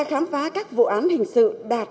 khám phá các vụ án hình sự đạt